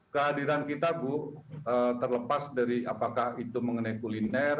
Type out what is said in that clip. kehadiran kita bu terlepas dari apakah itu mengenai kuliner